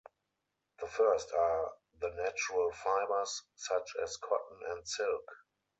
The first are the natural fibers such as cotton and silk.